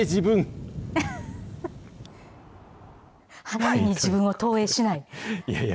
花火に自分を投影しない。